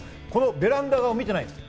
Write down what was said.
ベランダ側を見ていないんです。